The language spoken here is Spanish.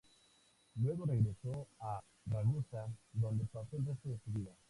Luego regresó a Ragusa, donde pasó el resto de su vida.